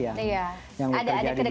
ada kedekatan emosional